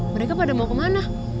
mereka pada mau kemana